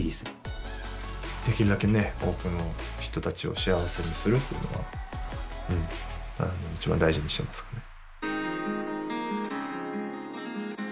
できるだけね多くの人たちを幸せにするっていうのは一番大事にしてますかね。